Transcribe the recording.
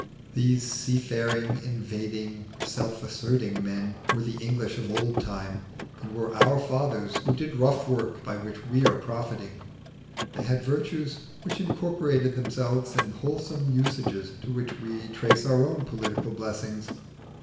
These seafaring, invading, self asserting men were the English of old time, and were our fathers who did rough work by which we are profiting. They had virtues which incorporated themselves in wholesome usages to which we trace our own political blessings.